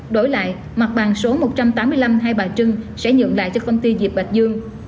đổi lại mặt bằng số một trăm tám mươi năm hai bà trưng sẽ nhượng lại cho công ty diệp bạch dương